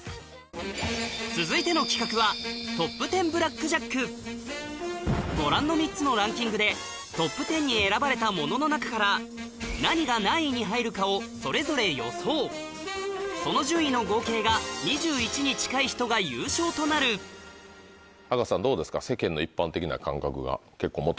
続いての企画はご覧の３つのランキングでトップ１０に選ばれたものの中からその順位の合計が２１に近い人が優勝となる赤楚さんどうですか？